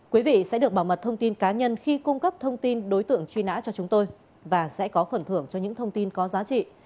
quý vị sẽ được bảo mật thông tin cá nhân khi cung cấp thông tin đối tượng truy nã cho chúng tôi và sẽ có phần thưởng cho những thông tin có giá trị